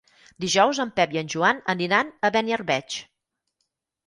Dijous en Pep i en Joan aniran a Beniarbeig.